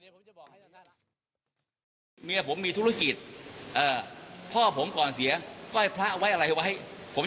เงิน๒๐หลักเพราะเงิน๒๐หลักเคยมีเงินผม